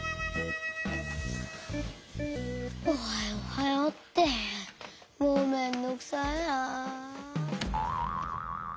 「おはよう」「おはよう」ってもうめんどくさいな。